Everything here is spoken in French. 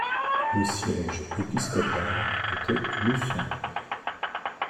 Le siège épiscopal était Luçon.